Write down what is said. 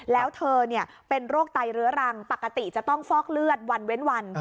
แล้วเธอเป็นโรคไตเรื้อรังปกติจะต้องฟอกเลือดวันเว้นวัน